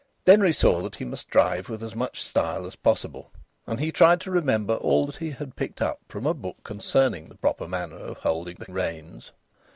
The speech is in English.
Denry saw that he must drive with as much style as possible, and he tried to remember all that he had picked up from a book concerning the proper manner of holding the reins.